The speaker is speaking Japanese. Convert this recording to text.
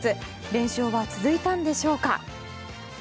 連勝は続いたのでしょうか。